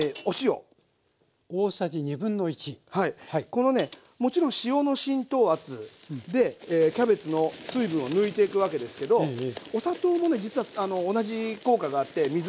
このねもちろん塩の浸透圧でキャベツの水分を抜いていくわけですけどお砂糖もね実は同じ効果があって水が抜けるんですよ。